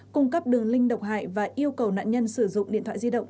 cung cấp đường link độc hại và yêu cầu nạn nhân sử dụng điện thoại di động